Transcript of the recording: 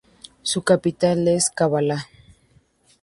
Su capital es Kavala.